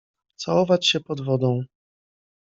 Całować się pod wodą.